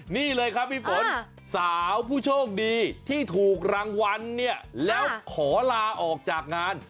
นี่เลยครับพี่ฝนสาวผู้โชคดีที่ถูกรางวัลเนี่ยแล้วขอลาออกจากงาน